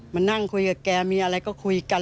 มานั่งคุยกับแกมีอะไรก็คุยกัน